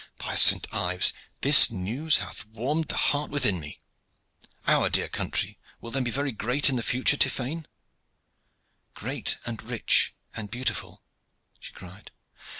By Saint Ives! this news hath warmed the heart within me. Our dear country will then be very great in the future, Tiphaine?" "Great, and rich, and beautiful," she cried.